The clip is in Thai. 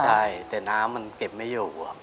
ใช่แต่น้ำมันเก็บไม่อยู่